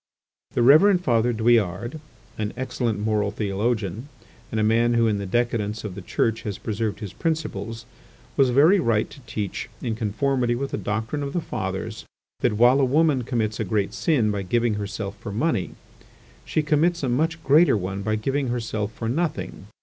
The Reverend Father Douillard, an excellent moral theologian, and a man who in the decadence of the Church has preserved his principles, was very right to teach, in conformity with the doctrine of the Fathers, that while a woman commits a great sin by giving herself for money, she commits a much greater one by giving herself for nothing.